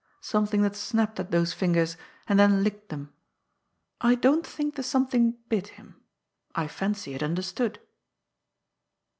Something that snapped at those fingers and then licked them. I don't think the something bit them. I fancy it understood.